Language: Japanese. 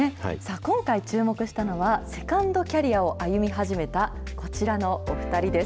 今回、注目したのは、セカンドキャリアを歩み始めたこちらのお２人です。